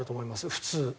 普通。